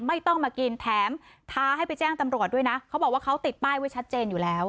ไม่ต้องมากินแถมท้าให้ไปแจ้งตำรวจด้วยนะเขาบอกว่าเขาติดป้ายไว้ชัดเจนอยู่แล้ว